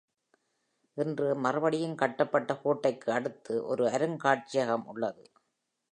இன்று, மறுபடியும் கட்டப்பட்ட கோட்டைக்கு அடுத்து ஒரு அருங்காட்சியகம் உள்ளது.